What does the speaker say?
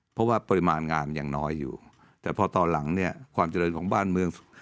เพราะว่าปริมาณงานยังน้อยอยู่แต่พอตอนหลังเนี่ยความเจริญของบ้านเมือง